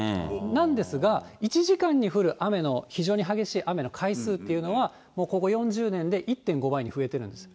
なんですが、１時間に降る雨の、非常に激しい雨の回数っていうのは、もう、ここ４０年で１．５倍に増えてるんです。